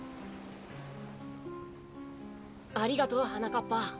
ありがとうはなかっぱ。